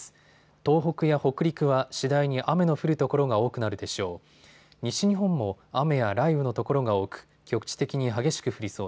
東北や北陸は次第に雨の降る所が多くなるでしょう。